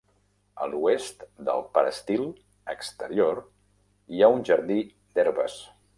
A l'oest del peristil exterior hi ha un jardí d'herbes.